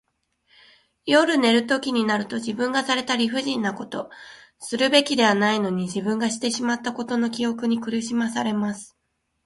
夜寝るときになると、自分がされた理不尽なこと、するべきではないのに自分がしてしまったことの記憶に苦しまされます。